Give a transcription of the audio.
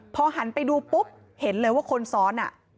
พอหันไปดูปุ๊บเห็นเลยว่าคนซ้อน